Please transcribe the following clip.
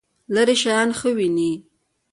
لرې شیان ښه وینئ؟